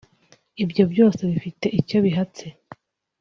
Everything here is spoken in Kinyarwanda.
ibyo byose bifite icyo bihatse